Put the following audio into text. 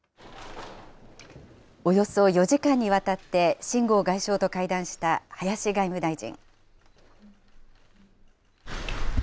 およそ４時間にわたって秦剛外相と会談した林外務大臣。